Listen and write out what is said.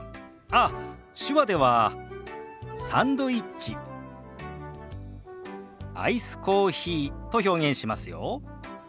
ああ手話では「サンドイッチ」「アイスコーヒー」と表現しますよ。